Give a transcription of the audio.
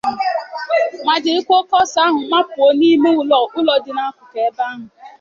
ma jirikwa oke ọsọ ahụ makpuo n'ime ụlọ dị n'akụkụ ebe ahụ